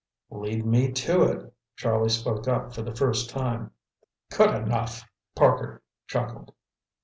"Lead me to it," Charlie spoke up for the first time. "Good enough!" Parker chuckled.